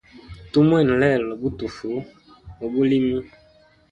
Tumwena lelo butufu ubulimi.